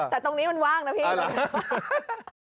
แต่ตรงนี้มันว่างนะพี่